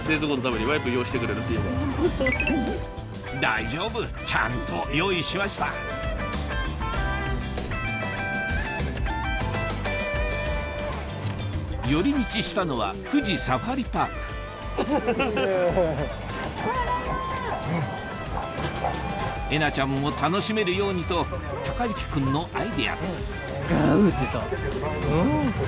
・大丈夫ちゃんと用意しました寄り道したのはえなちゃんも楽しめるようにと孝之君のアイデアですガウっていった。